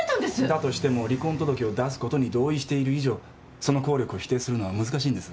だとしても離婚届を出すことに同意している以上その効力を否定するのは難しいんです。